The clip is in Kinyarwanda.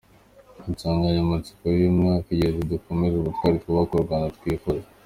Insanganyamatsiko y’uyu mwaka igira iti “ Dukomeze ubutwari, Twubake u Rwanda twifuza.